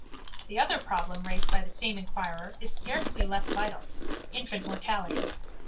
The other problem raised by the same inquirer is scarcely less vital: infant mortality.